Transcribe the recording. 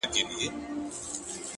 بریا د تکراري سمو کارونو پایله ده